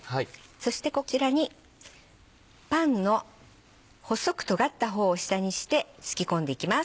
そしてこちらにパンの細くとがった方を下にして敷き込んでいきます。